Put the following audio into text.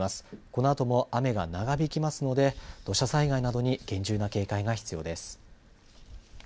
このあとも雨が長引きますので土砂災害などに厳重な警戒が必要です。